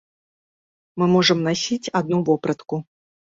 Мы можам насіць адну вопратку.